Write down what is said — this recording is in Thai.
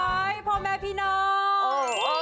พ่อแม่พี่น้อง